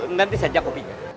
nanti saja kopinya